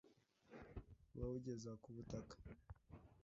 bawugeza ku butaka